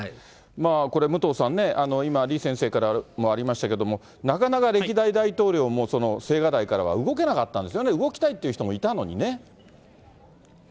これ、武藤さんね、今、李先生からもありましたけれども、なかなか歴代大統領も青瓦台からは動けなかったんですよね、動きそうなんです。